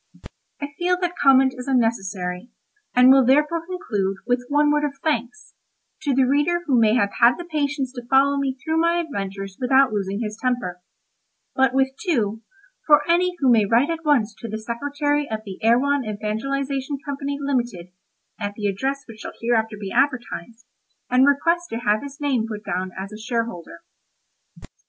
I feel that comment is unnecessary, and will therefore conclude with one word of thanks to the reader who may have had the patience to follow me through my adventures without losing his temper; but with two, for any who may write at once to the Secretary of the Erewhon Evangelisation Company, limited (at the address which shall hereafter be advertised), and request to have his name put down as a shareholder.